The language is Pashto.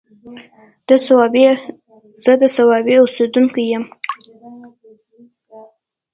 زه د صوابۍ اوسيدونکی يم